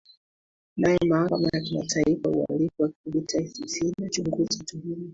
nayo mahakama ya kimataifa uhalifu wa kivita icc inachunguza tuhuma